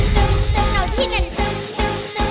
ตึ้มตึ้มตึ้มเอาที่นั่นตึ้มตึ้มตึ้ม